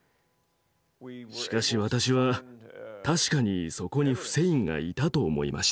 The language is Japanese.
しかし私は確かにそこにフセインがいたと思いました。